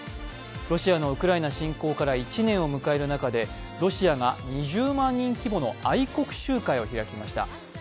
ロシアウクライナ侵攻から１年を迎える中でロシアが２０万人規模の愛国集会を開きました。